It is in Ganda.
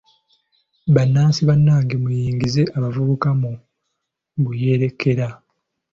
Bannansi bannange muyingize abavubuka mu buyeekera.